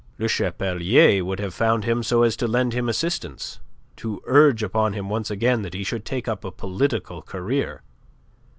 Le Chapelier would have found him so as to lend him assistance, to urge upon him once again that he should take up a political career.